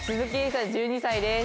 朝１２歳です。